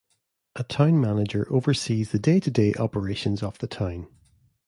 A town manager oversees the day-to-day operations of the town.